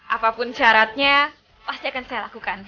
apapun syaratnya pasti akan saya lakukan